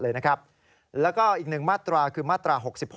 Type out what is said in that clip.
แล้วก็อีกหนึ่งมาตราคือมาตรา๖๖